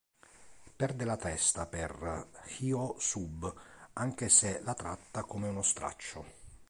Perde la testa per Hyo-Sub, anche se la tratta come uno straccio.